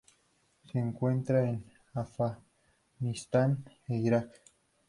Se encuentra en el Afganistán e Irak.